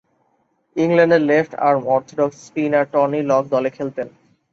ইংল্যান্ডের left arm orthodox spinner Tony Lock দলে খেলতেন।